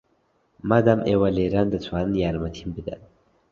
مادام ئێوە لێرەن، دەتوانن یارمەتیم بدەن.